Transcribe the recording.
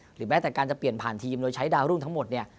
หรือแม้แต่การจะเปลี่ยนผ่านทีมโดยใช้ดาวรุ่งทั้งหมดเนี่ย